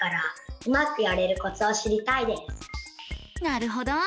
なるほど。